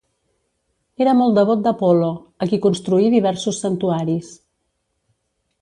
Era molt devot d'Apol·lo, a qui construí diversos santuaris.